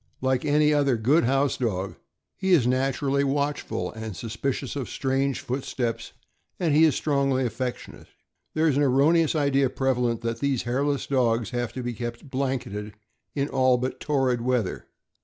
Like any other good house dog, he is naturally watchful and suspicious of strange footsteps, and he is strongly affec tionate. There is an erroneous idea prevalent that these hairless dogs have to be kept blanketed in all but torrid weather.